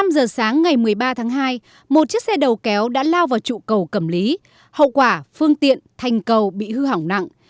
năm giờ sáng ngày một mươi ba tháng hai một chiếc xe đầu kéo đã lao vào trụ cầu cẩm lý hậu quả phương tiện thành cầu bị hư hỏng nặng